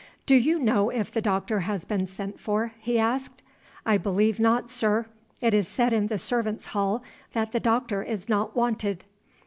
"Do you know if the doctor has been sent for?" he asked. "I believe not, sir. It is said in the servants' hall that the doctor is not wanted."